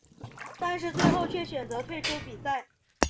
但是最后却选择退出比赛。